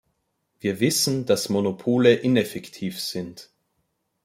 Wir wissen, dass Monopole ineffektiv sind.